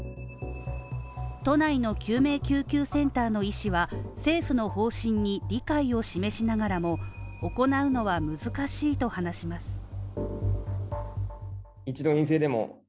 都内の救命救急センターの医師は政府の方針に理解を示しながらも行うのは難しいと話します。